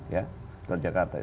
ya di jakarta